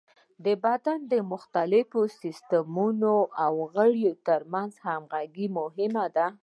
د بدن د مختلفو سیستمونو او غړو تر منځ همغږي مهمه ده.